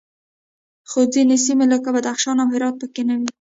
خو ځینې سیمې لکه بدخشان او هرات پکې نه وې